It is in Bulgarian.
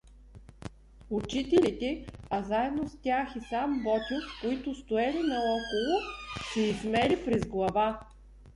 Учителите, а заедно с тях и сам Ботйов, които стоели наоколо, се изсмели презглава.